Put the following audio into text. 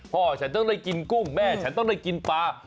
พ่อฉันต้องได้กินกุ้งแม่ฉันต้องได้กินปลา